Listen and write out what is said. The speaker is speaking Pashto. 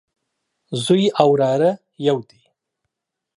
زوی او وراره يودي